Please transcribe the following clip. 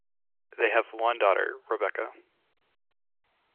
They have one daughter, Rebecca.